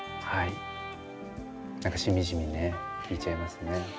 はいしみじみね聴いちゃいますね。